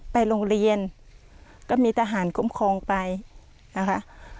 ไปโรงเรียนก็มีทหารคุ้มครองไปนะคะ